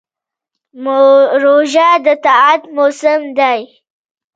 روژه د طاعت موسم دی.